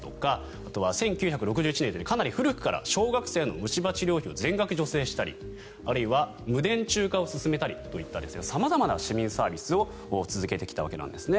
あとは１９６１年かなり古くから小学生の虫歯治療費を全額助成したりあるいは無電柱化を進めたりという様々な市民サービスを続けてきたわけなんですね。